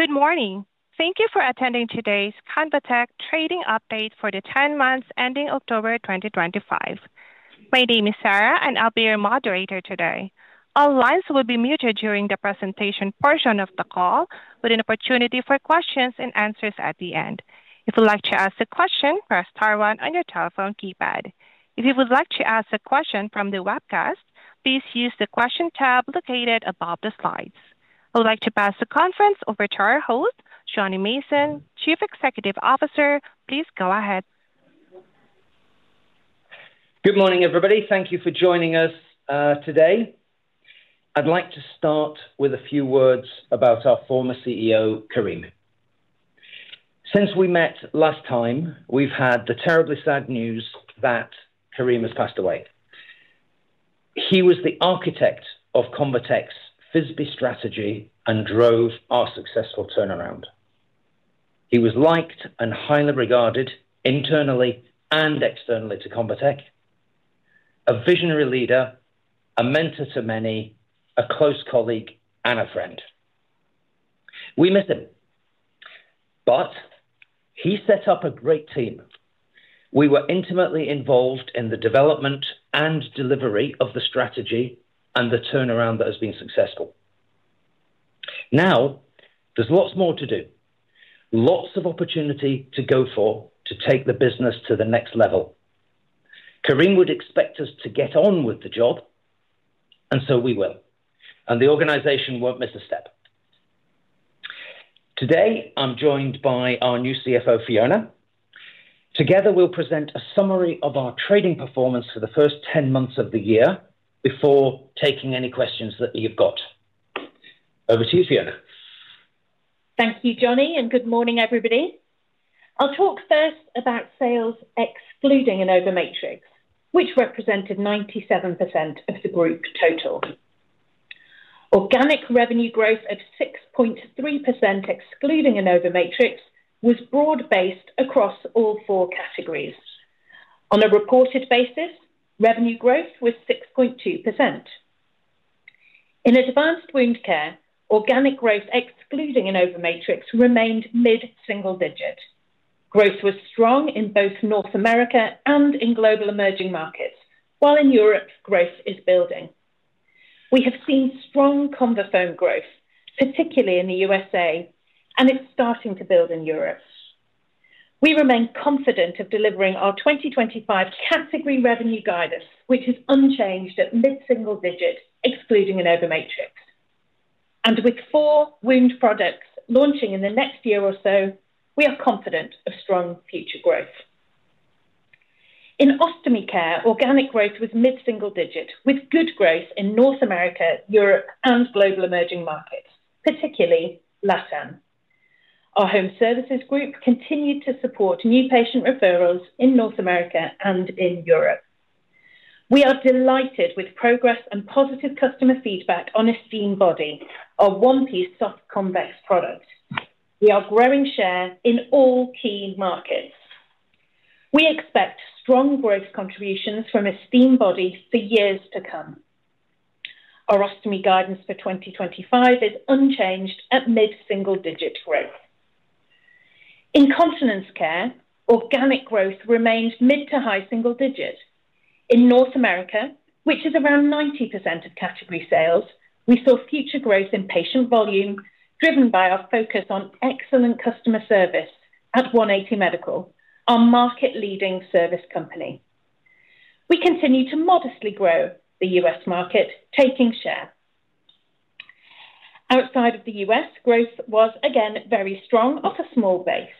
Good morning. Thank you for attending today's Convatec Trading Update for the 10 months ending October 2025. My name is Sarah, and I'll be your moderator today. All lines will be muted during the presentation portion of the call, with an opportunity for questions and answers at the end. If you'd like to ask a question, press star one on your telephone keypad. If you would like to ask a question from the webcast, please use the question tab located above the slides. I would like to pass the conference over to our host, Jonny Mason, Chief Executive Officer. Please go ahead. Good morning, everybody. Thank you for joining us today. I'd like to start with a few words about our former CEO, Karim. Since we met last time, we've had the terribly sad news that Karim has passed away. He was the architect of Convatec's FISBE strategy and drove our successful turnaround. He was liked and highly regarded internally and externally to Convatec, a visionary leader, a mentor to many, a close colleague, and a friend. We miss him, but he set up a great team. We were intimately involved in the development and delivery of the strategy and the turnaround that has been successful. Now, there's lots more to do, lots of opportunity to go for, to take the business to the next level. Karim would expect us to get on with the job, and so we will, and the organization won't miss a step. Today, I'm joined by our new CFO, Fiona. Together, we'll present a summary of our trading performance for the first 10 months of the year before taking any questions that you've got. Over to you, Fiona. Thank you, Jonny, and good morning, everybody. I'll talk first about sales, excluding InnovaMatrix, which represented 97% of the group total. Organic revenue growth of 6.3%, excluding InnovaMatrix, was broad-based across all four categories. On a reported basis, revenue growth was 6.2%. In Advanced Wound Care, organic growth, excluding InnovaMatrix, remained mid-single digit. Growth was strong in both North America and in Global Emerging Markets, while in Europe, growth is building. We have seen strong ConvaFoam growth, particularly in the USA, and it's starting to build in Europe. We remain confident of delivering our 2025 category revenue guidance, which is unchanged at mid-single digit, excluding InnovaMatrix. With four wound products launching in the next year or so, we are confident of strong future growth. In ostomy care, organic growth was mid-single digit, with good growth in North America, Europe, and global emerging markets, particularly LATAM. Our home services group continued to support new patient referrals in North America and in Europe. We are delighted with progress and positive customer feedback on Esteem Body, our one-piece soft convex product. We are growing share in all key markets. We expect strong growth contributions from Esteem Body for years to come. Our ostomy guidance for 2025 is unchanged at mid-single digit growth. In continence care, organic growth remained mid to high single digit. In North America, which is around 90% of category sales, we saw future growth in patient volume, driven by our focus on excellent customer service at 180 Medical, our market-leading service company. We continue to modestly grow the US market, taking share. Outside of the U.S., growth was again very strong off a small base.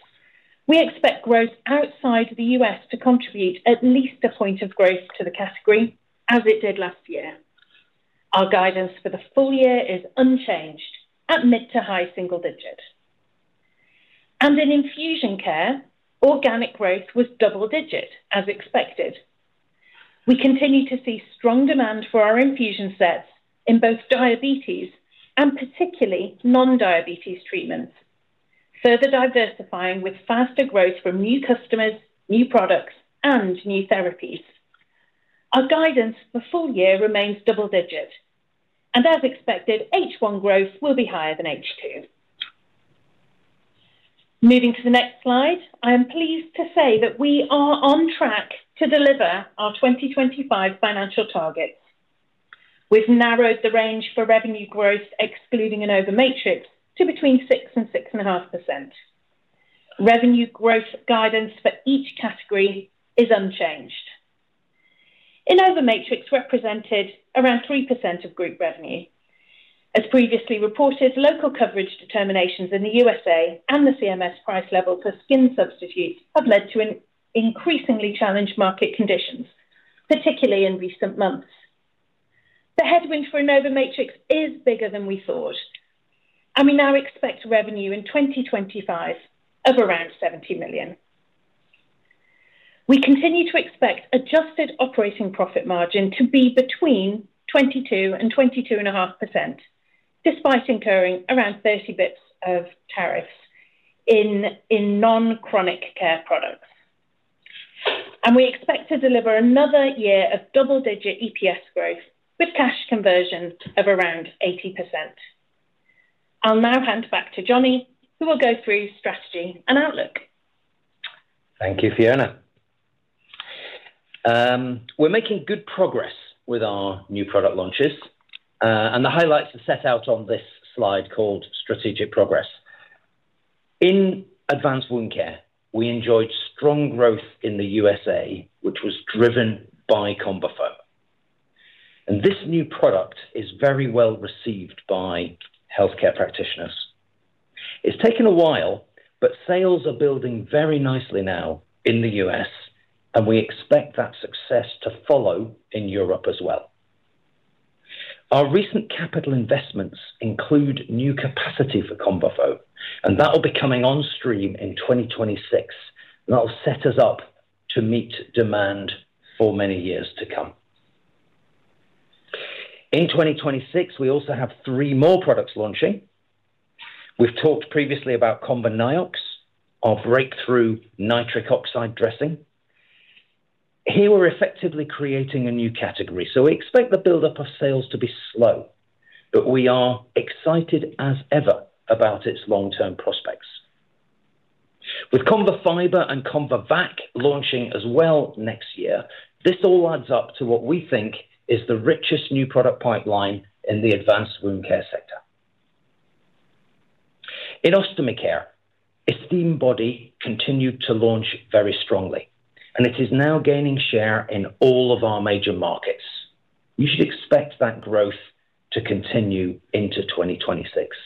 We expect growth outside the U.S. to contribute at least a point of growth to the category, as it did last year. Our guidance for the full year is unchanged at mid to high single digit. In infusion care, organic growth was double-digit, as expected. We continue to see strong demand for our infusion sets in both diabetes and particularly non-diabetes treatments, further diversifying with faster growth for new customers, new products, and new therapies. Our guidance for full year remains double-digit, and as expected, H1 growth will be higher than H2. Moving to the next slide, I am pleased to say that we are on track to deliver our 2025 financial targets. We've narrowed the range for revenue growth, excluding InnovaMatrix, to between 6% and 6.5%. Revenue growth guidance for each category is unchanged. InnovaMatrix represented around 3% of group revenue. As previously reported, Local Coverage Determinations in the U.S.A. and the CMS price level for skin substitutes have led to increasingly challenged market conditions, particularly in recent months. The headwind for InnovaMatrix is bigger than we thought, and we now expect revenue in 2025 of around $70 million. We continue to expect adjusted operating profit margin to be between 22% and 22.5%, despite incurring around 30 basis points of tariffs in non-chronic care products. We expect to deliver another year of double-digit EPS growth with cash conversion of around 80%. I'll now hand back to Jonny, who will go through strategy and outlook. Thank you, Fiona. We're making good progress with our new product launches, and the highlights are set out on this slide called Strategic Progress. In advanced wound care, we enjoyed strong growth in the USA, which was driven by ConvaFoam. This new product is very well received by healthcare practitioners. It's taken a while, but sales are building very nicely now in the U.S., and we expect that success to follow in Europe as well. Our recent capital investments include new capacity for ConvaFoam, and that will be coming on stream in 2026, and that will set us up to meet demand for many years to come. In 2026, we also have three more products launching. We've talked previously about ConvaNioX, our breakthrough nitric oxide dressing. Here we're effectively creating a new category, so we expect the build-up of sales to be slow, but we are excited as ever about its long-term prospects. With ConvaFiber and ConvaVac launching as well next year, this all adds up to what we think is the richest new product pipeline in the advanced wound care sector. In ostomy care, Esteem Body continued to launch very strongly, and it is now gaining share in all of our major markets. You should expect that growth to continue into 2026.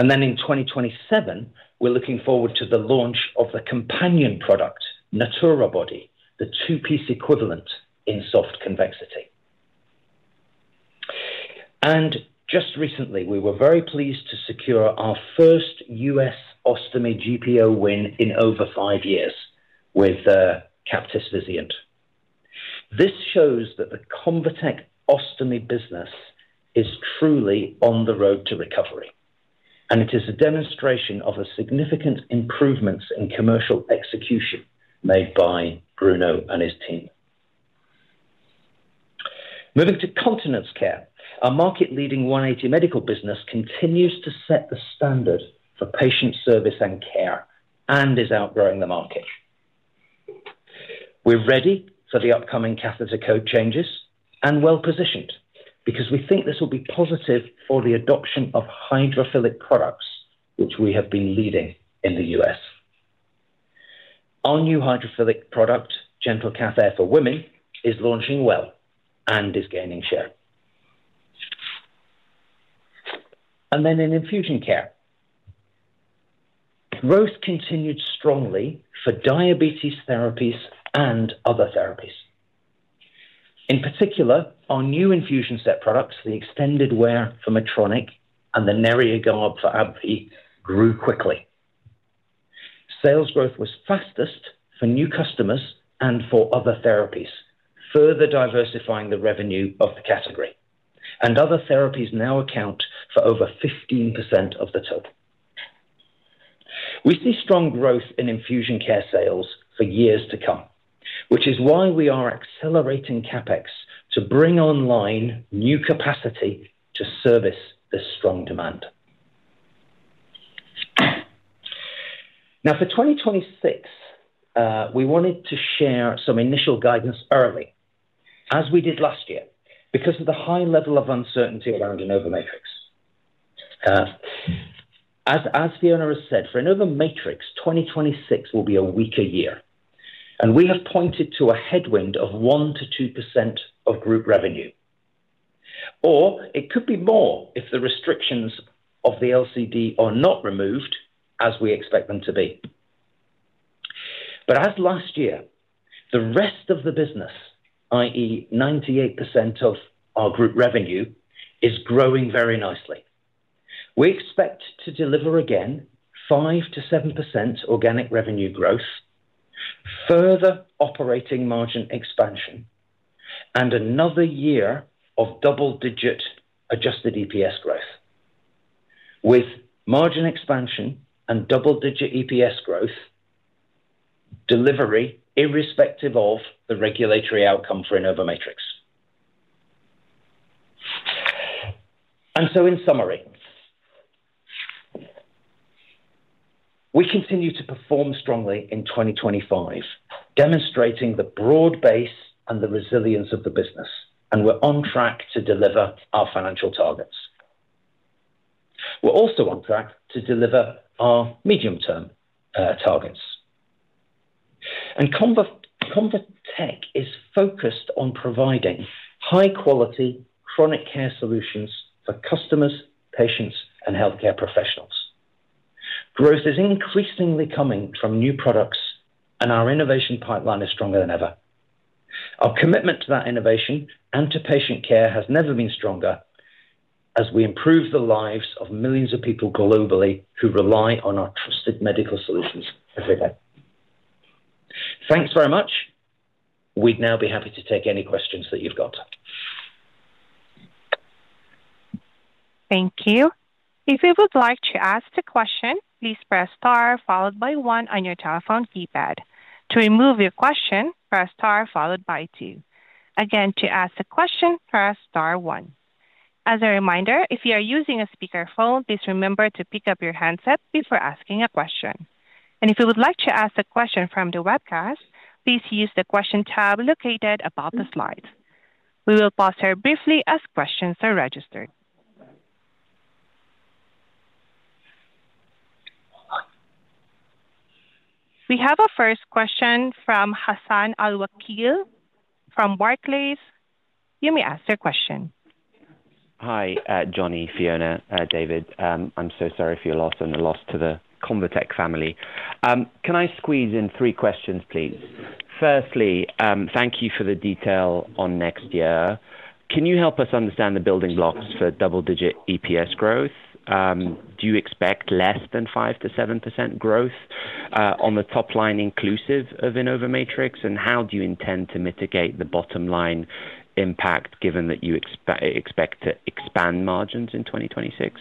In 2027, we're looking forward to the launch of the companion product, Natura Body, the two-piece equivalent in soft convexity. Just recently, we were very pleased to secure our first U.S. ostomy GPO win in over five years with Vizient. This shows that the Convatec ostomy business is truly on the road to recovery, and it is a demonstration of the significant improvements in commercial execution made by Bruno and his team. Moving to continence care, our market-leading 180 Medical business continues to set the standard for patient service and care and is outgrowing the market. We're ready for the upcoming catheter code changes and well-positioned because we think this will be positive for the adoption of hydrophilic products, which we have been leading in the U.S. Our new hydrophilic product, GentleCath Air for Women, is launching well and is gaining share. In infusion care, growth continued strongly for diabetes therapies and other therapies. In particular, our new infusion set products, the extended wear for Medtronic and the Neria Guard for AbbVie, grew quickly. Sales growth was fastest for new customers and for other therapies, further diversifying the revenue of the category. Other therapies now account for over 15% of the total. We see strong growth in infusion care sales for years to come, which is why we are accelerating CapEx to bring online new capacity to service this strong demand. For 2026, we wanted to share some initial guidance early, as we did last year, because of the high level of uncertainty around InnovaMatrix. As Fiona has said, for InnovaMatrix, 2026 will be a weaker year, and we have pointed to a headwind of 1%-2% of group revenue. It could be more if the restrictions of the Local Coverage Determination are not removed, as we expect them to be. As last year, the rest of the business, i.e., 98% of our group revenue, is growing very nicely. We expect to deliver again 5%-7% organic revenue growth, further operating margin expansion, and another year of double-digit adjusted EPS growth, with margin expansion and double-digit EPS growth delivery irrespective of the regulatory outcome for InnovaMatrix. In summary, we continue to perform strongly in 2025, demonstrating the broad base and the resilience of the business, and we're on track to deliver our financial targets. We're also on track to deliver our medium-term targets. Convatec is focused on providing high-quality chronic care solutions for customers, patients, and healthcare professionals. Growth is increasingly coming from new products, and our innovation pipeline is stronger than ever. Our commitment to that innovation and to patient care has never been stronger as we improve the lives of millions of people globally who rely on our trusted medical solutions every day. Thanks very much. We'd now be happy to take any questions that you've got. Thank you. If you would like to ask a question, please press star followed by one on your telephone keypad. To remove your question, press star followed by two. Again, to ask a question, press star one. As a reminder, if you are using a speakerphone, please remember to pick up your handset before asking a question. If you would like to ask a question from the webcast, please use the question tab located above the slides. We will pause here briefly as questions are registered. We have a first question from Hassan Al-Wakeel from Barclays. You may ask your question. Hi, Jonny, Fiona, David. I'm so sorry for your loss and the loss to the Convtec family. Can I squeeze in three questions, please? Firstly, thank you for the detail on next year. Can you help us understand the building blocks for double-digit EPS growth? Do you expect less than 5%-7% growth on the top line inclusive of InnovaMatrix, and how do you intend to mitigate the bottom line impact given that you expect to expand margins in 2026?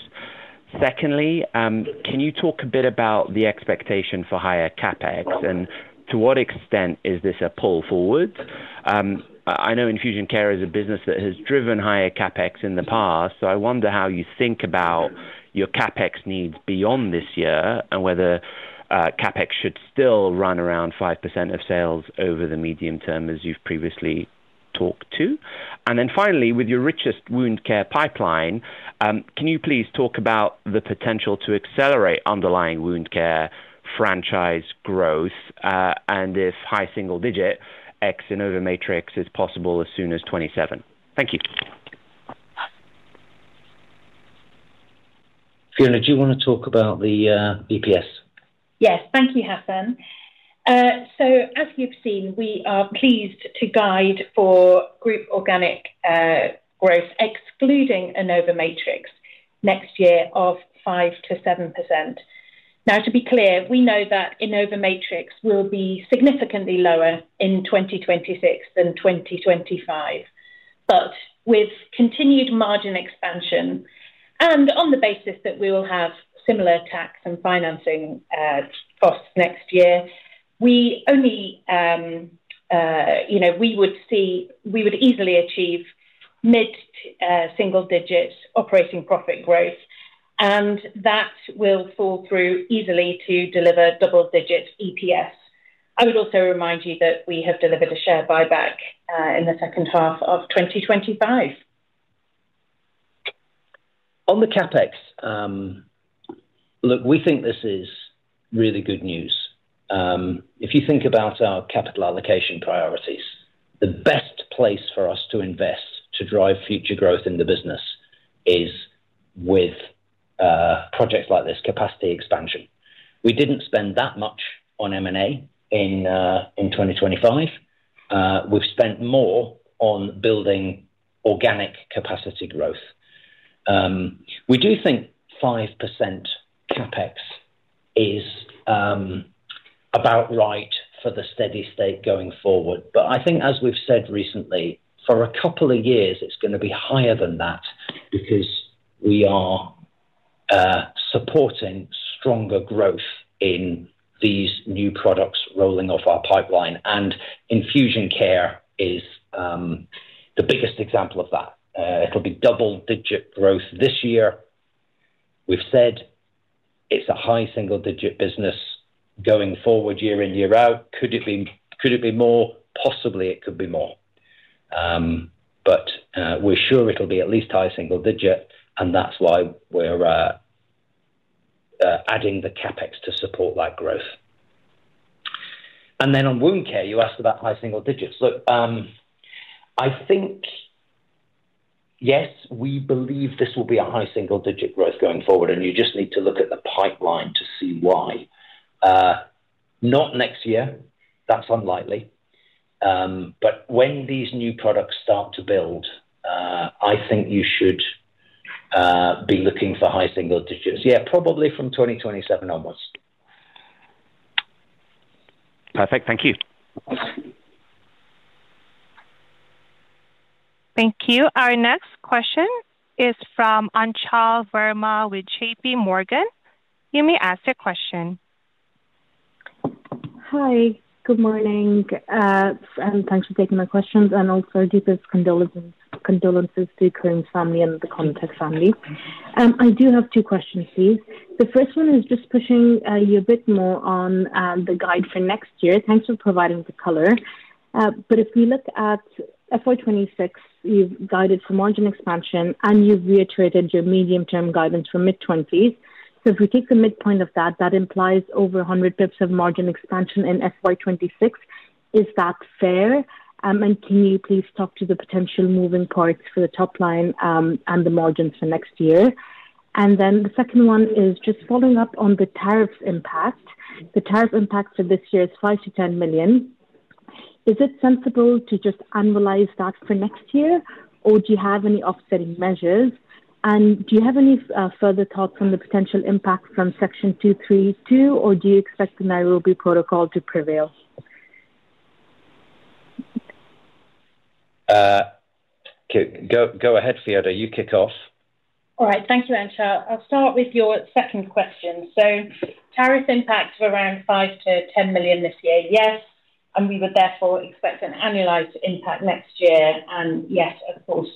Secondly, can you talk a bit about the expectation for higher CapEx, and to what extent is this a pull forward? I know infusion care is a business that has driven higher CapEx in the past, so I wonder how you think about your CapEx needs beyond this year and whether CapEx should still run around 5% of sales over the medium term as you've previously talked to. Finally, with your richest wound care pipeline, can you please talk about the potential to accelerate underlying wound care franchise growth and if high single-digit excluding InnovaMatrix is possible as soon as 2027? Thank you. Fiona, do you want to talk about the EPS? Yes, thank you, Hassan. As you've seen, we are pleased to guide for group organic growth, excluding InnovaMatrix, next year of 5%-7%. To be clear, we know that InnovaMatrix will be significantly lower in 2026 than 2025. With continued margin expansion and on the basis that we will have similar tax and financing costs next year, we would easily achieve mid-single-digit operating profit growth, and that will fall through easily to deliver double-digit EPS. I would also remind you that we have delivered a share buyback in the second half of 2025. On the CapEx, look, we think this is really good news. If you think about our capital allocation priorities, the best place for us to invest to drive future growth in the business is with projects like this capacity expansion. We did not spend that much on M&A in 2025. We have spent more on building organic capacity growth. We do think 5% CapEx is about right for the steady state going forward. I think, as we have said recently, for a couple of years, it is going to be higher than that because we are supporting stronger growth in these new products rolling off our pipeline. Infusion care is the biggest example of that. It will be double-digit growth this year. We have said it is a high single-digit business going forward year in, year out. Could it be more? Possibly it could be more. We're sure it'll be at least high single-digit, and that's why we're adding the CapEx to support that growth. On wound care, you asked about high single digits. Look, I think, yes, we believe this will be a high single-digit growth going forward, and you just need to look at the pipeline to see why. Not next year. That's unlikely. When these new products start to build, I think you should be looking for high single digits. Yeah, probably from 2027 onwards. Perfect. Thank you. Thank you. Our next question is from Anchal Verma with JP Morgan. You may ask your question. Hi, good morning, and thanks for taking my questions, and also deepest condolences to the Karim family and the Convatec family. I do have two questions, please. The first one is just pushing you a bit more on the guide for next year. Thanks for providing the color. If we look at FY2026, you've guided for margin expansion, and you've reiterated your medium-term guidance for mid-20s. If we take the midpoint of that, that implies over 100 basis points of margin expansion in FY2026. Is that fair? Can you please talk to the potential moving parts for the top line and the margins for next year? The second one is just following up on the tariffs impact. The tariff impact for this year is $5 million-$10 million. Is it sensible to just annualize that for next year, or do you have any offsetting measures? Do you have any further thoughts on the potential impact from Section 232, or do you expect the Nairobi Protocol to prevail? Go ahead, Fiona. You kick off. All right. Thank you, Anchal. I'll start with your second question. Tariff impact of around $5 million-$10 million this year, yes, and we would therefore expect an annualized impact next year. Yes, of course,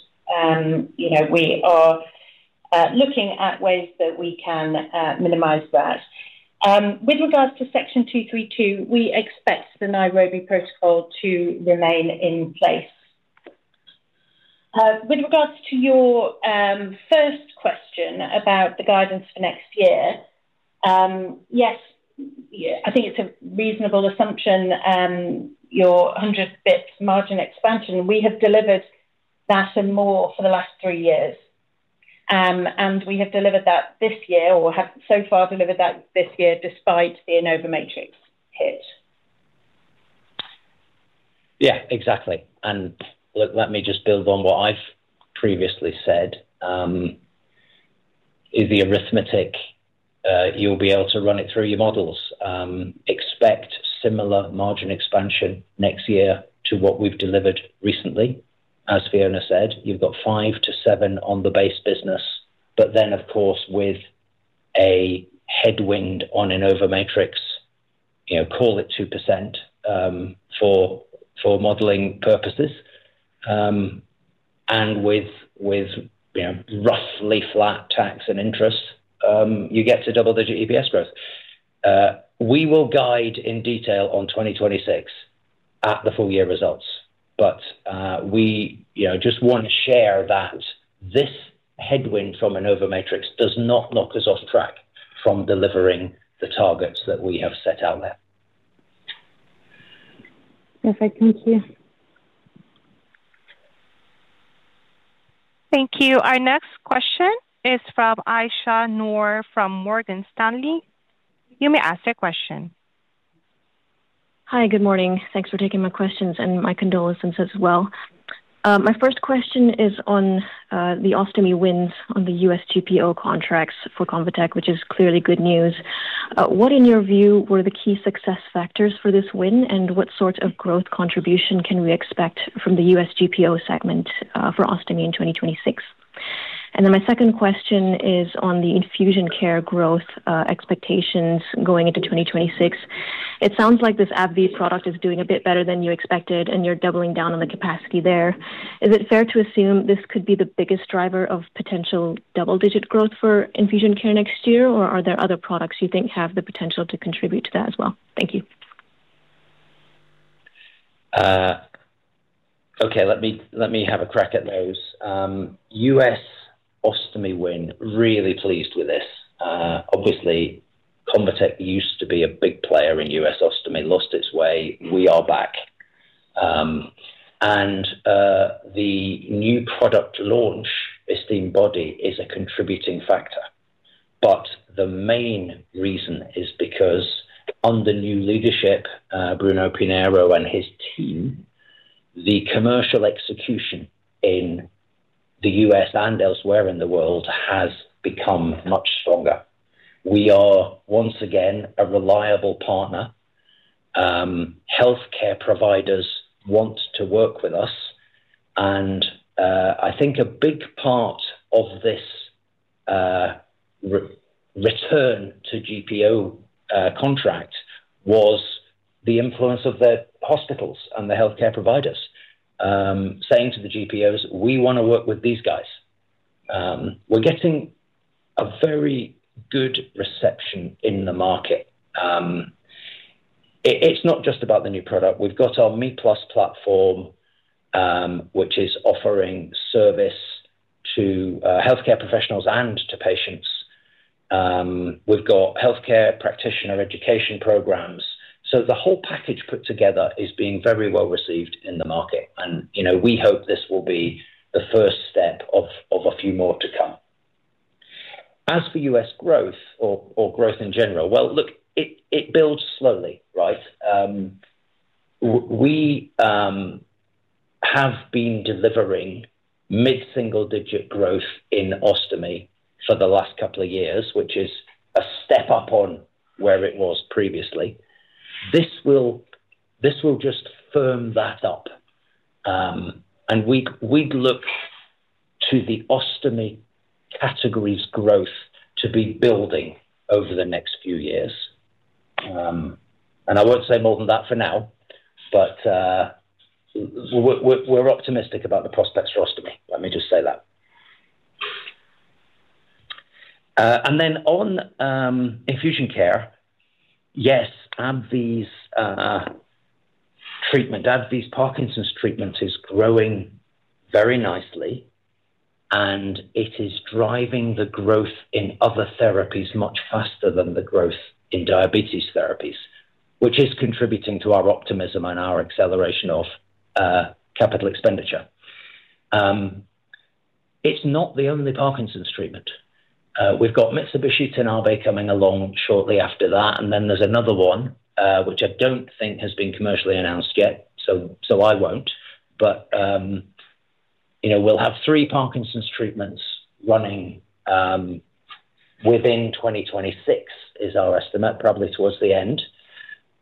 we are looking at ways that we can minimize that. With regards to Section 232, we expect the Nairobi Protocol to remain in place. With regards to your first question about the guidance for next year, yes, I think it's a reasonable assumption, your 100 basis points margin expansion. We have delivered that and more for the last three years, and we have delivered that this year or have so far delivered that this year despite the InnovaMatrix hit. Yeah, exactly. Look, let me just build on what I've previously said. The arithmetic, you'll be able to run it through your models. Expect similar margin expansion next year to what we've delivered recently. As Fiona said, you've got 5-7% on the base business, but then, of course, with a headwind on InnovaMatrix, call it 2% for modeling purposes. With roughly flat tax and interest, you get to double-digit EPS growth. We will guide in detail on 2026 at the full year results, but we just want to share that this headwind from InnovaMatrix does not knock us off track from delivering the targets that we have set out there. Perfect. Thank you. Thank you. Our next question is from Aisyah Noor from Morgan Stanley. You may ask your question. Hi, good morning. Thanks for taking my questions, and my condolences as well. My first question is on the ostomy wins on the U.S. GPO contracts for Convatec, which is clearly good news. What, in your view, were the key success factors for this win, and what sort of growth contribution can we expect from the U.S. GPO segment for ostomy in 2026? My second question is on the infusion care growth expectations going into 2026. It sounds like this AbbVie product is doing a bit better than you expected, and you're doubling down on the capacity there. Is it fair to assume this could be the biggest driver of potential double-digit growth for infusion care next year, or are there other products you think have the potential to contribute to that as well? Thank you. Okay, let me have a crack at those. U.S. ostomy win, really pleased with this. Obviously, Convatec used to be a big player in U.S. ostomy, lost its way. We are back. The new product launch, Esteem Body, is a contributing factor. The main reason is because under new leadership, Bruno Pinheiro and his team, the commercial execution in the U.S. and elsewhere in the world has become much stronger. We are once again a reliable partner. Healthcare providers want to work with us. I think a big part of this return to GPO contract was the influence of the hospitals and the healthcare providers saying to the GPOs, "We want to work with these guys." We're getting a very good reception in the market. It's not just about the new product. We've got our Me+ platform, which is offering service to healthcare professionals and to patients. We've got healthcare practitioner education programs. The whole package put together is being very well received in the market. We hope this will be the first step of a few more to come. As for U.S. growth or growth in general, look, it builds slowly, right? We have been delivering mid-single-digit growth in ostomy for the last couple of years, which is a step up on where it was previously. This will just firm that up. We look to the ostomy category's growth to be building over the next few years. I won't say more than that for now, but we're optimistic about the prospects for ostomy. Let me just say that. On infusion care, yes, AbbVie's treatment, AbbVie's Parkinson's treatment is growing very nicely, and it is driving the growth in other therapies much faster than the growth in diabetes therapies, which is contributing to our optimism and our acceleration of capital expenditure. It is not the only Parkinson's treatment. We have Mitsubishi Tanabe coming along shortly after that, and then there is another one, which I do not think has been commercially announced yet, so I will not. We will have three Parkinson's treatments running within 2026, is our estimate, probably towards the end.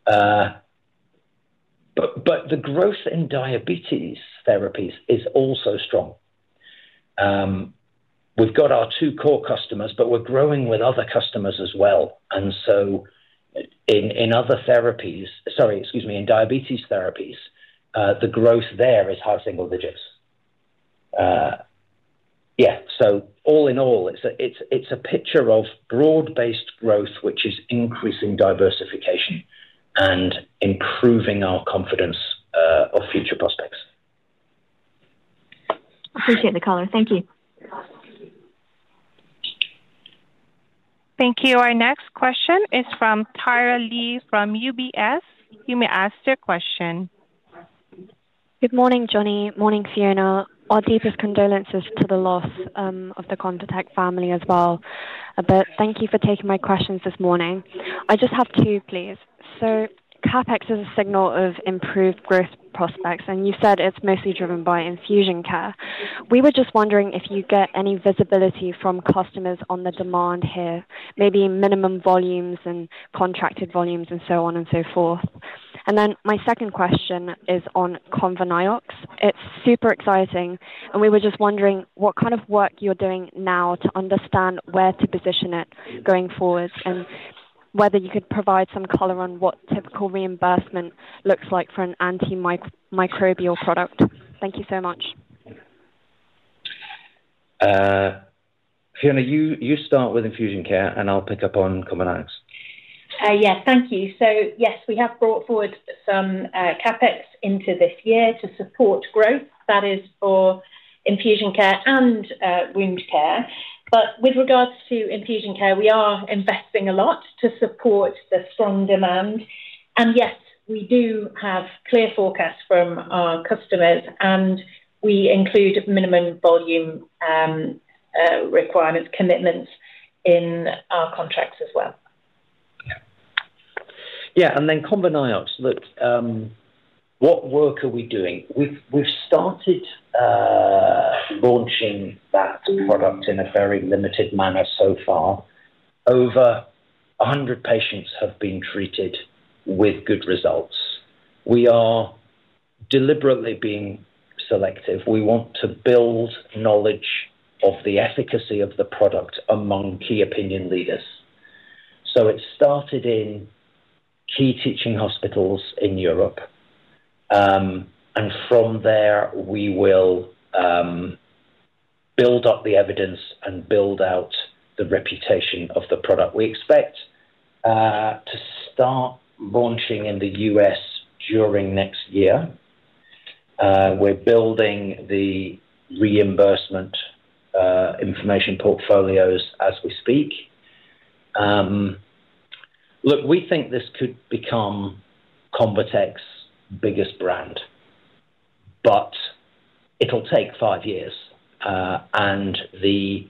The growth in diabetes therapies is also strong. We have our two core customers, but we are growing with other customers as well. In other therapies—sorry, excuse me—in diabetes therapies, the growth there is high single digits. Yeah. All in all, it's a picture of broad-based growth, which is increasing diversification and improving our confidence of future prospects. Appreciate the color. Thank you. Thank you. Our next question is from Thyra Lee from UBS. You may ask your question. Good morning, Jonny. Morning, Fiona. Our deepest condolences to the loss of the Convatec family as well. Thank you for taking my questions this morning. I just have two, please. CapEx is a signal of improved growth prospects, and you said it's mostly driven by infusion care. We were just wondering if you get any visibility from customers on the demand here, maybe minimum volumes and contracted volumes and so on and so forth. My second question is on ConvaNioX. It's super exciting, and we were just wondering what kind of work you're doing now to understand where to position it going forward and whether you could provide some color on what typical reimbursement looks like for an antimicrobial product. Thank you so much. Fiona, you start with infusion care, and I'll pick up on ConvaNioX. Yes, thank you. Yes, we have brought forward some CapEx into this year to support growth. That is for infusion care and wound care. With regards to infusion care, we are investing a lot to support the strong demand. Yes, we do have clear forecasts from our customers, and we include minimum volume requirements, commitments in our contracts as well. Yeah. And then ConvaNioX, look, what work are we doing? We've started launching that product in a very limited manner so far. Over 100 patients have been treated with good results. We are deliberately being selective. We want to build knowledge of the efficacy of the product among key opinion leaders. It started in key teaching hospitals in Europe. From there, we will build up the evidence and build out the reputation of the product. We expect to start launching in the U.S. during next year. We're building the reimbursement information portfolios as we speak. Look, we think this could become Convatec's biggest brand, but it'll take five years. The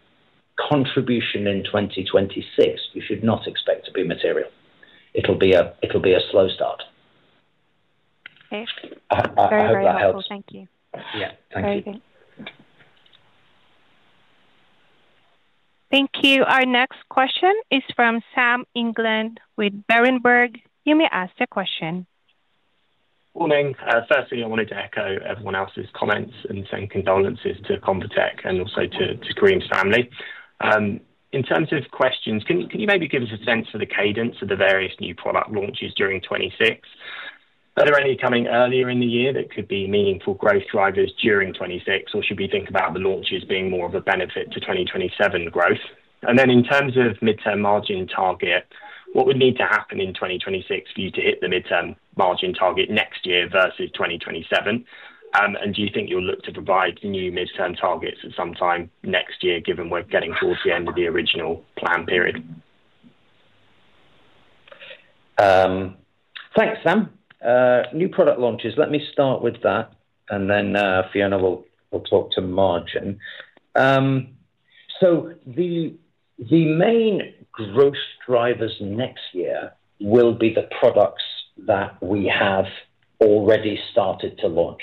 contribution in 2026, you should not expect to be material. It'll be a slow start. Okay. Very helpful. Thank you. Yeah. Thank you. Thank you. Our next question is from Sam England with Berenberg. You may ask your question. Morning. Firstly, I wanted to echo everyone else's comments and send condolences to Convatec and also to Karim's family. In terms of questions, can you maybe give us a sense for the cadence of the various new product launches during 2026? Are there any coming earlier in the year that could be meaningful growth drivers during 2026, or should we think about the launches being more of a benefit to 2027 growth? In terms of mid-term margin target, what would need to happen in 2026 for you to hit the mid-term margin target next year versus 2027? Do you think you'll look to provide new mid-term targets at some time next year, given we're getting towards the end of the original plan period? Thanks, Sam. New product launches. Let me start with that, and then Fiona will talk to margin. The main growth drivers next year will be the products that we have already started to launch.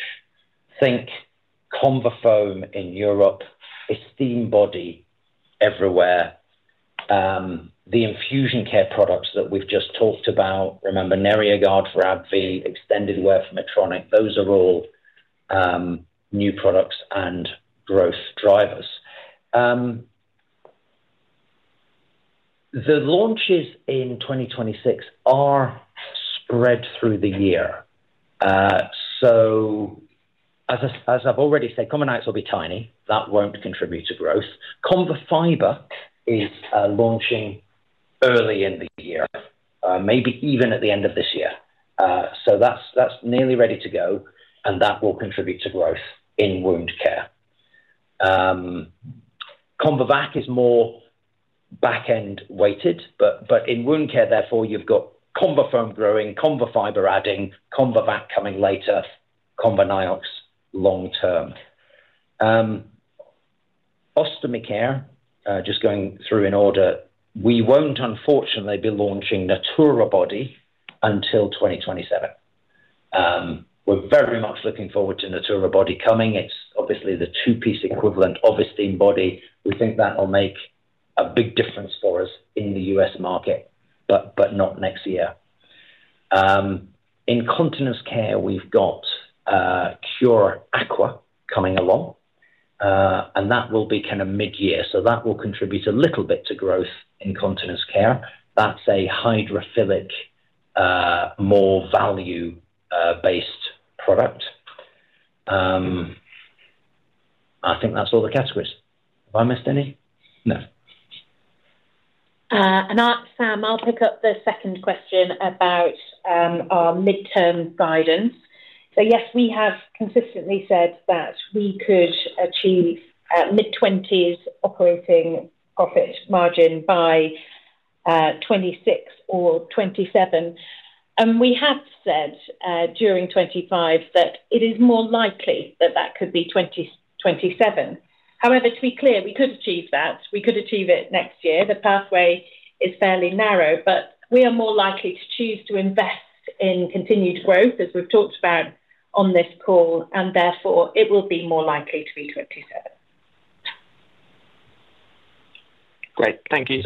Think ConvaFoam in Europe, Esteem Body everywhere, the infusion care products that we've just talked about. Remember Neria Guard for AbbVie, extended wear Medtronic. Those are all new products and growth drivers. The launches in 2026 are spread through the year. As I've already said, ConvaNioX will be tiny. That won't contribute to growth. ConvaFiber is launching early in the year, maybe even at the end of this year. That's nearly ready to go, and that will contribute to growth in wound care. ConvaVac is more back-end weighted, but in wound care, therefore, you've got ConvaFoam growing, ConvaFiber adding, ConvaVac coming later, ConvaNioX long-term. Ostomy care, just going through in order, we will not, unfortunately, be launching Natura Body until 2027. We are very much looking forward to Natura Body coming. It is obviously the two-piece equivalent of Esteem Body. We think that will make a big difference for us in the U.S. market, but not next year. In continence care, we have got Cure Aqua coming along, and that will be kind of mid-year. That will contribute a little bit to growth in continence care. That is a hydrophilic, more value-based product. I think that is all the categories. Have I missed any? No. Sam, I'll pick up the second question about our mid-term guidance. Yes, we have consistently said that we could achieve mid-20s operating profit margin by 2026 or 2027. We have said during 2025 that it is more likely that that could be 2027. However, to be clear, we could achieve that. We could achieve it next year. The pathway is fairly narrow, but we are more likely to choose to invest in continued growth, as we've talked about on this call, and therefore, it will be more likely to be 2027. Great. Thank you.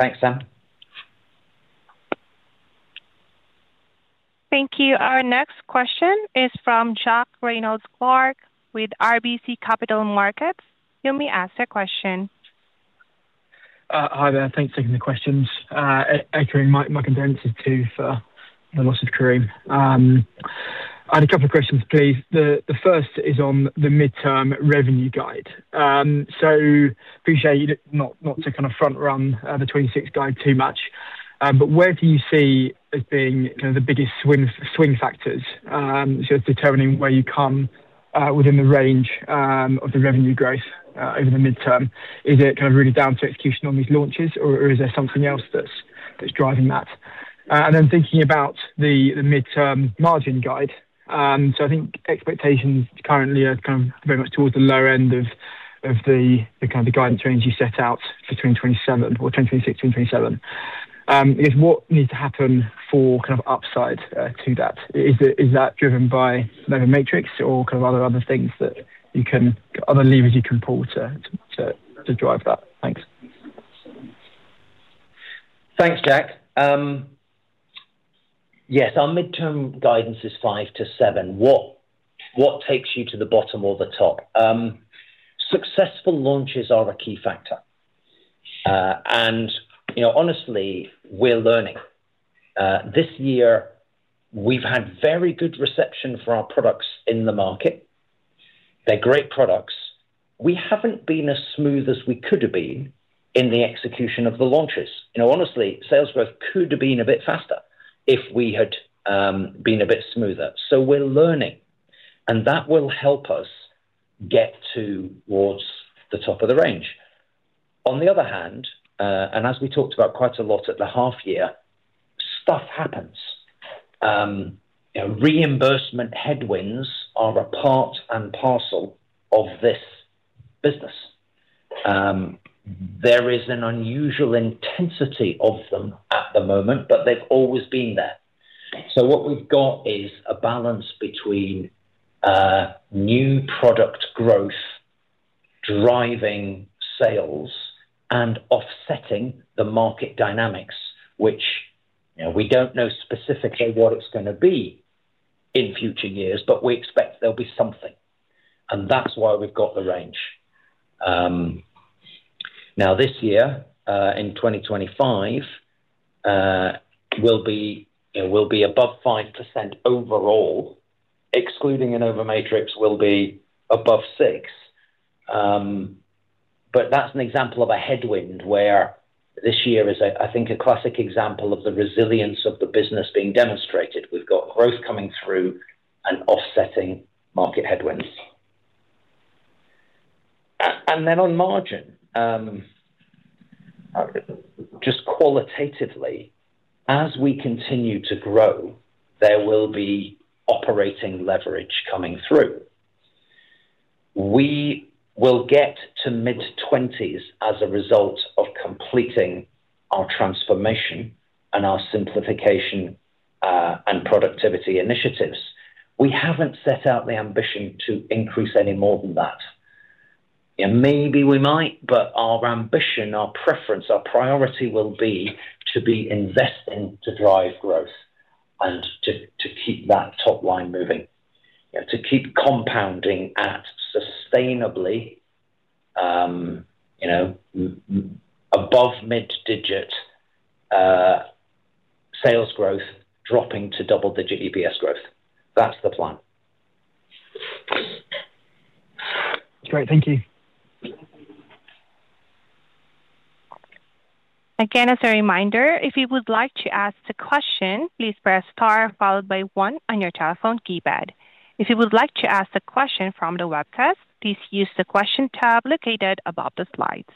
Thanks, Sam. Thank you. Our next question is from Jack Reynolds-Clark with RBC Capital Markets. You may ask your question. Hi there. Thanks for taking the questions. My condolences too for the loss of Karim. I had a couple of questions, please. The first is on the mid-term revenue guide. I appreciate not to kind of front-run the 2026 guide too much. Where do you see as being kind of the biggest swing factors? It is determining where you come within the range of the revenue growth over the midterm. Is it kind of really down to execution on these launches, or is there something else that's driving that? Thinking about the mid-term margin guide, I think expectations currently are kind of very much towards the low end of the kind of guidance range you set out for 2026, 2027. I guess what needs to happen for kind of upside to that? Is that driven by the matrix or kind of other things that you can, other levers you can pull to drive that? Thanks. Thanks, Jack. Yes, our mid-term guidance is five to seven. What takes you to the bottom or the top? Successful launches are a key factor. Honestly, we're learning. This year, we've had very good reception for our products in the market. They're great products. We haven't been as smooth as we could have been in the execution of the launches. Honestly, sales growth could have been a bit faster if we had been a bit smoother. We're learning, and that will help us get towards the top of the range. On the other hand, as we talked about quite a lot at the half-year, stuff happens. Reimbursement headwinds are a part and parcel of this business. There is an unusual intensity of them at the moment, but they've always been there. What we've got is a balance between new product growth driving sales and offsetting the market dynamics, which we do not know specifically what it is going to be in future years, but we expect there will be something. That is why we have got the range. This year, in 2025, we will be above 5% overall. Excluding InnovaMatrix, we will be above 6%. That is an example of a headwind where this year is, I think, a classic example of the resilience of the business being demonstrated. We have got growth coming through and offsetting market headwinds. On margin, just qualitatively, as we continue to grow, there will be operating leverage coming through. We will get to mid-20s as a result of completing our transformation and our simplification and productivity initiatives. We have not set out the ambition to increase any more than that. Maybe we might, but our ambition, our preference, our priority will be to be investing to drive growth and to keep that top line moving, to keep compounding at sustainably above mid-digit sales growth, dropping to double-digit EPS growth. That's the plan. Great. Thank you. Again, as a reminder, if you would like to ask the question, please press star followed by one on your telephone keypad. If you would like to ask a question from the webcast, please use the question tab located above the slides.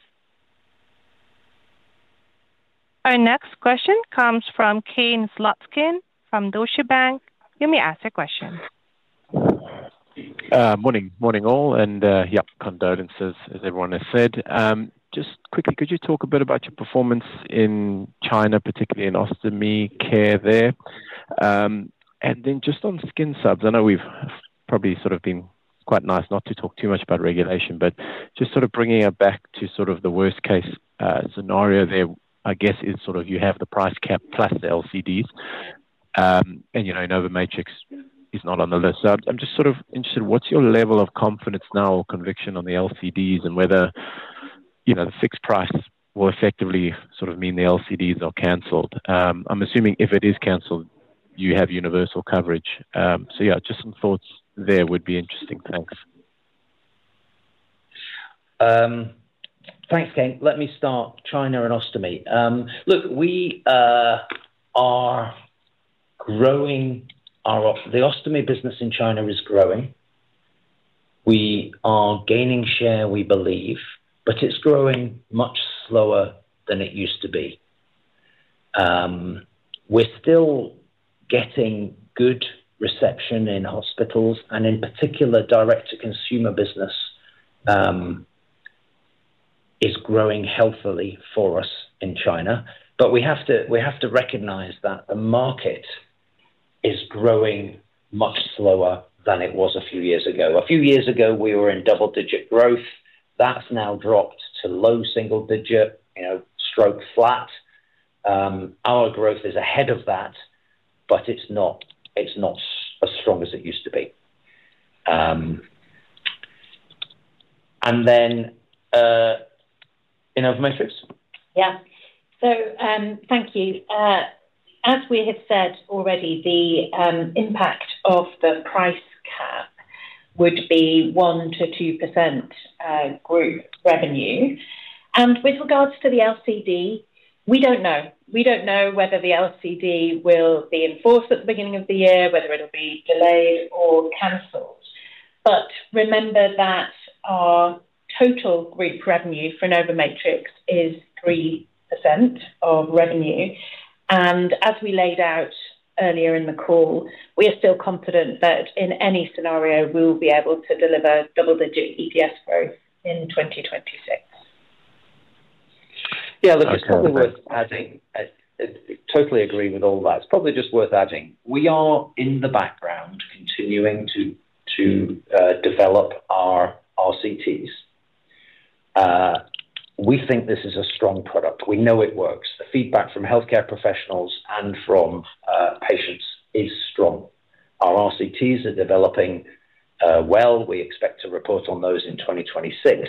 Our next question comes from Kane Slutzkin from Deutsche Bank. You may ask your question. Morning, morning all. Yeah, condolences, as everyone has said. Just quickly, could you talk a bit about your performance in China, particularly in ostomy care there? And then just on skin subs, I know we've probably sort of been quite nice not to talk too much about regulation, but just sort of bringing it back to sort of the worst-case scenario there, I guess, is sort of you have the price cap plus the LCDs, and you know InnovaMatrix is not on the list. I'm just sort of interested, what's your level of confidence now or conviction on the LCDs and whether the fixed price will effectively sort of mean the LCDs are cancelled? I'm assuming if it is cancelled, you have universal coverage. Yeah, just some thoughts there would be interesting. Thanks. Thanks, Kane. Let me start China and ostomy. Look, we are growing. The ostomy business in China is growing. We are gaining share, we believe, but it's growing much slower than it used to be. We're still getting good reception in hospitals, and in particular, direct-to-consumer business is growing healthily for us in China. We have to recognize that the market is growing much slower than it was a few years ago. A few years ago, we were in double-digit growth. That's now dropped to low single digit, stroke flat. Our growth is ahead of that, but it's not as strong as it used to be. And then in other matrix? Yeah. Thank you. As we have said already, the impact of the price cap would be 1%-2% group revenue. With regards to the LCD, we do not know. We do not know whether the LCD will be enforced at the beginning of the year, whether it will be delayed or cancelled. Remember that our total group revenue for InnovaMatrix is 3% of revenue. As we laid out earlier in the call, we are still confident that in any scenario, we will be able to deliver double-digit EPS growth in 2026. Yeah, look, it's probably worth adding—I totally agree with all that. It's probably just worth adding. We are in the background continuing to develop our RCTs. We think this is a strong product. We know it works. The feedback from healthcare professionals and from patients is strong. Our RCTs are developing well. We expect to report on those in 2026.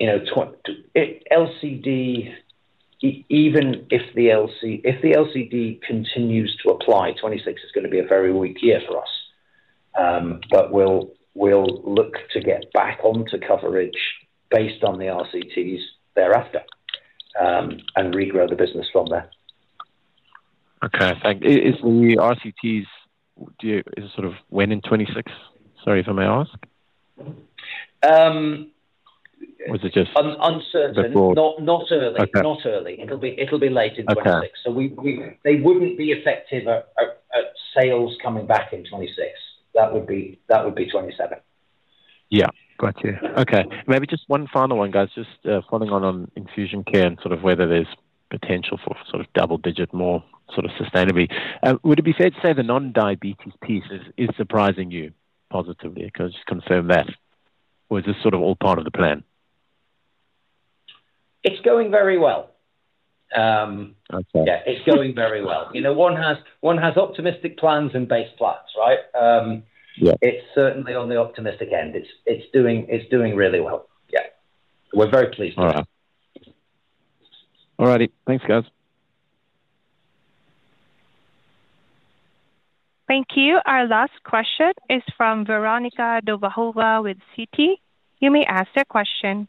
LCD, even if the LCD continues to apply, 2026 is going to be a very weak year for us. We'll look to get back onto coverage based on the RCTs thereafter and regrow the business from there. Okay. Thanks. Is the RCTs sort of when in 2026? Sorry if I may ask. Was it just before? Uncertain. Not early. Not early. It'll be late in 2026. So they wouldn't be effective at sales coming back in 2026. That would be 2027. Yeah. Got you. Okay. Maybe just one final one, guys. Just following on infusion care and sort of whether there's potential for sort of double-digit more sort of sustainability. Would it be fair to say the non-diabetes piece is surprising you positively? Can I just confirm that? Or is this sort of all part of the plan? It's going very well. Yeah, it's going very well. One has optimistic plans and base plans, right? It's certainly on the optimistic end. It's doing really well. Yeah. We're very pleased with it. All right. All righty. Thanks, guys. Thank you. Our last question is from Veronika Dubajova with Citi. You may ask your question.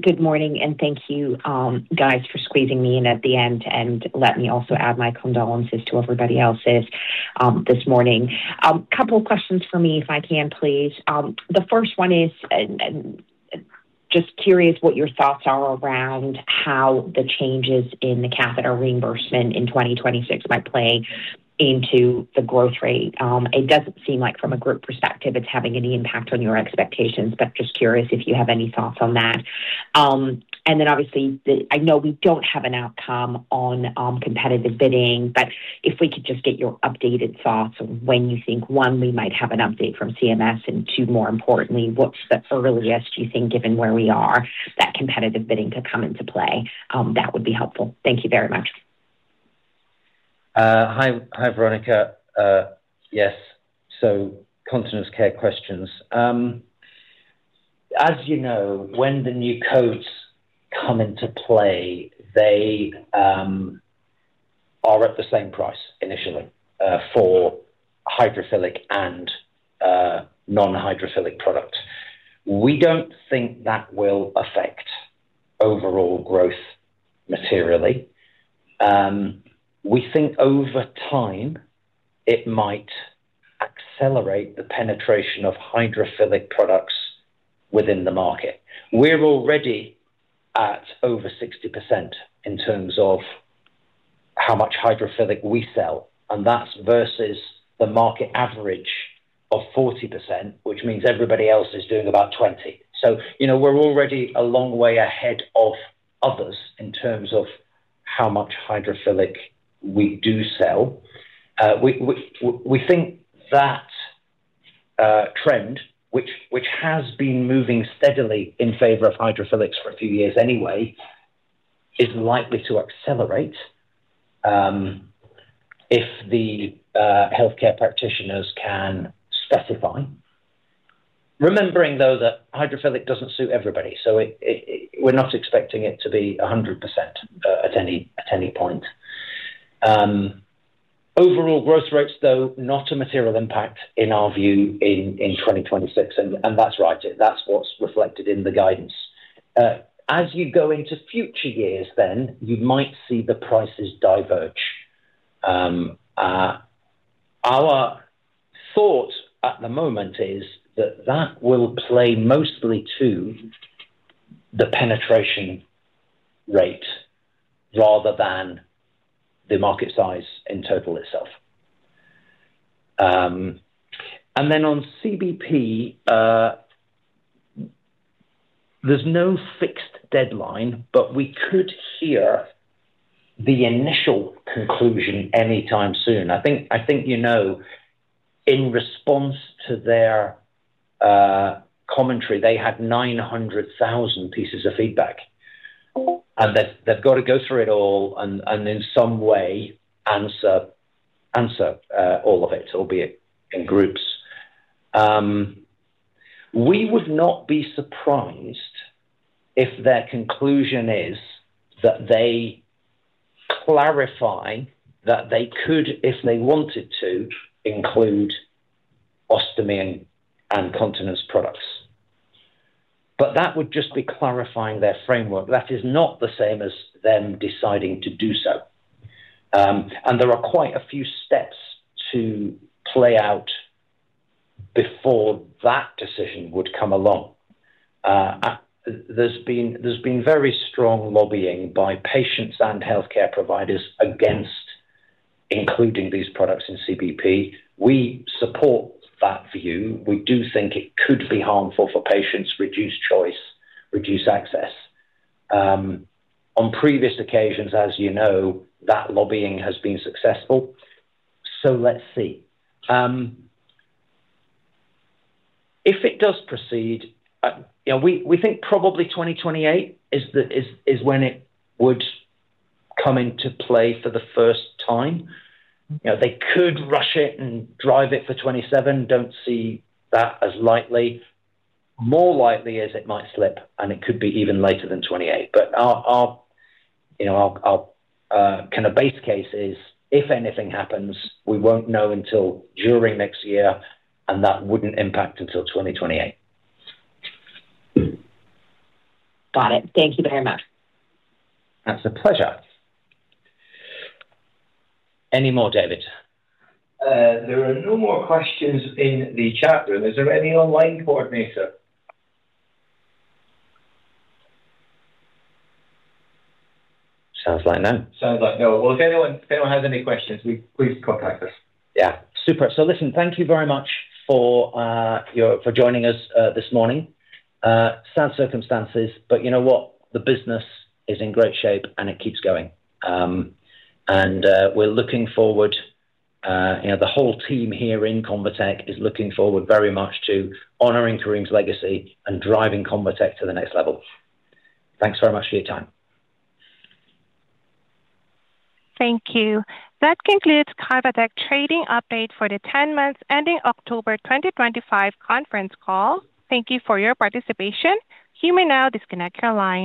Good morning, and thank you, guys, for squeezing me in at the end and letting me also add my condolences to everybody else's this morning. A couple of questions for me, if I can, please. The first one is just curious what your thoughts are around how the changes in the catheter reimbursement in 2026 might play into the growth rate. It does not seem like from a group perspective, it is having any impact on your expectations, but just curious if you have any thoughts on that. Obviously, I know we do not have an outcome on competitive bidding, but if we could just get your updated thoughts on when you think, one, we might have an update from CMS, and two, more importantly, what is the earliest, do you think, given where we are, that competitive bidding could come into play? That would be helpful. Thank you very much. Hi, Veronika. Yes. So continence care questions. As you know, when the new codes come into play, they are at the same price initially for hydrophilic and non-hydrophilic products. We do not think that will affect overall growth materially. We think over time, it might accelerate the penetration of hydrophilic products within the market. We are already at over 60% in terms of how much hydrophilic we sell, and that is versus the market average of 40%, which means everybody else is doing about 20%. We are already a long way ahead of others in terms of how much hydrophilic we do sell. We think that trend, which has been moving steadily in favor of hydrophilics for a few years anyway, is likely to accelerate if the healthcare practitioners can specify. Remembering, though, that hydrophilic does not suit everybody. We are not expecting it to be 100% at any point. Overall growth rates, though, not a material impact in our view in 2026. That is right. That is what is reflected in the guidance. As you go into future years, you might see the prices diverge. Our thought at the moment is that that will play mostly to the penetration rate rather than the market size in total itself. On CBP, there is no fixed deadline, but we could hear the initial conclusion anytime soon. I think you know in response to their commentary, they had 900,000 pieces of feedback. They have got to go through it all and in some way answer all of it, albeit in groups. We would not be surprised if their conclusion is that they clarify that they could, if they wanted to, include ostomy and continence products. That would just be clarifying their framework. That is not the same as them deciding to do so. There are quite a few steps to play out before that decision would come along. There has been very strong lobbying by patients and healthcare providers against including these products in CBP. We support that view. We do think it could be harmful for patients, reduce choice, reduce access. On previous occasions, as you know, that lobbying has been successful. Let's see. If it does proceed, we think probably 2028 is when it would come into play for the first time. They could rush it and drive it for 2027. I do not see that as likely. More likely is it might slip, and it could be even later than 2028. Our kind of base case is, if anything happens, we will not know until during next year, and that would not impact until 2028. Got it. Thank you very much. That's a pleasure. Any more, David? There are no more questions in the chat room. Is there any online coordinator? Sounds like no. Sounds like no. If anyone has any questions, please contact us. Yeah. Super. Listen, thank you very much for joining us this morning. Sad circumstances, but you know what? The business is in great shape, and it keeps going. We are looking forward. The whole team here in Convatec is looking forward very much to honoring Karim's legacy and driving Convatec to the next level. Thanks very much for your time. Thank you. That concludes Convatec Group trading update for the 10 months ending October 2025 conference call. Thank you for your participation. You may now disconnect your line.